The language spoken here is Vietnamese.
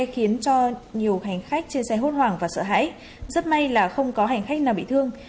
khiến cho nhiều hành khách trên xe hốt hoảng và sợ hãi rất may là không có hành khách nào bị thương